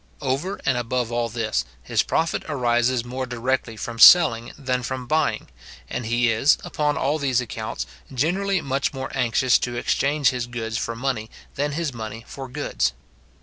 Over and above all this, his profit arises more directly from selling than from buying; and he is, upon all these accounts, generally much more anxious to exchange his goods for money than his money for goods.